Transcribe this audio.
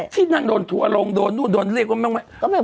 ที่นั่งโดนถั่วลงโดนเรียกว่าแม่งไม่